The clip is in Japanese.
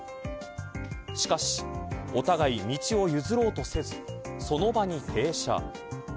しかし、お互い道を譲ろうとせずその場に停車。